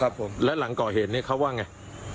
ผมแล้วหลังก่อเหตุนี้เขาว่าไง